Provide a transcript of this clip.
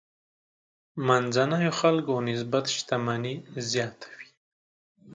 منځنيو خلکو نسبت شتمني زیاته وي.